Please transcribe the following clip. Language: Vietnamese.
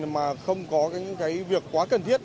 mà không có những việc quá cần thiết